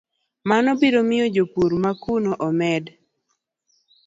Mano biro miyo jopur ma kuno omed